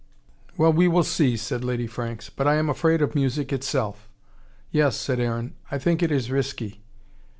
"Well, we will see," said Lady Franks. "But I am afraid of music itself." "Yes," said Aaron. "I think it is risky."